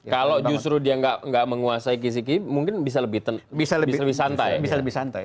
kalau justru dia nggak menguasai kisi kisi mungkin bisa lebih santai santai